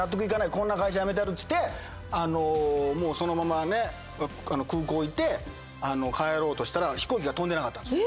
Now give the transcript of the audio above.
こんな会社辞めてやる」っつってそのまま空港行って帰ろうとしたら飛行機が飛んでなかったんですよ。